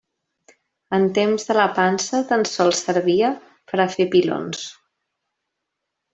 En temps de la pansa tan sols servia per a fer pilons.